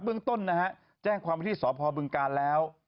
เรื่องต้นนะฮะแจ้งความว่าที่สพบึงกาลแล้ว